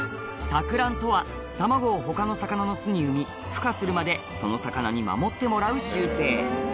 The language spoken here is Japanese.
托卵とは卵を他の魚の巣に産みふ化するまでその魚に守ってもらう習性